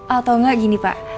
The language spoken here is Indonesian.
atau gak gini pak